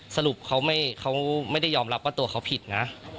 สรุปเขาไม่ได้ยอมรับว่าตัวเขาผิดนะ